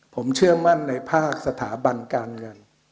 ผมเชื่อมั่นในภาคสถาบันการเงิน